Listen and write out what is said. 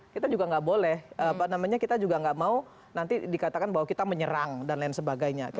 kita juga nggak boleh apa namanya kita juga nggak mau nanti dikatakan bahwa kita menyerang dan lain sebagainya